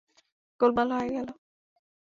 গোলমাল হয়ে গেল।